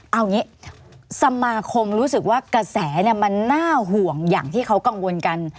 เอาอย่างนี้สมาคมรู้สึกว่ากระแสมันน่าห่วงอย่างที่เขากังวลกัน